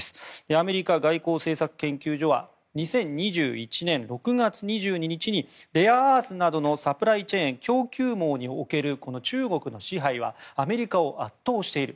アメリカ外交政策研究所は２０２１年６月２２日にレアアースなどのサプライチェーン供給網における中国の支配はアメリカを圧倒している。